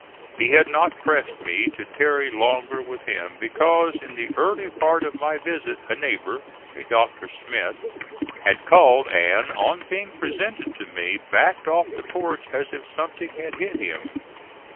He had not pressed me to tarry longer with him because in the early part of my visit a neighbor, a Dr. Smith, had called and, on being presented to me, backed off the porch as if something had hit him.